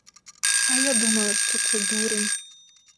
А я думала, що це дурень!